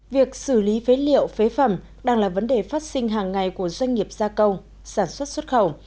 việc xử lý phế liệu phế phẩm đang là vấn đề phát sinh hàng ngày của doanh nghiệp gia công sản xuất xuất khẩu